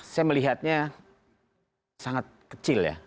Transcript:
saya melihatnya sangat kecil ya